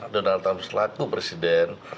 donald trump selaku presiden